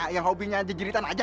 yang hobinya jejeritan aja